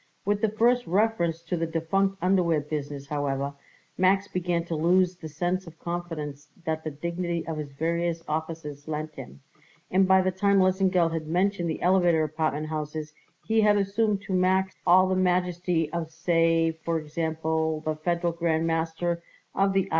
With the first reference to the defunct underwear business, however, Max began to lose the sense of confidence that the dignity of his various offices lent him; and by the time Lesengeld had mentioned the elevator apartment houses he had assumed to Max all the majesty of, say, for example, the Federal Grand Master of the I.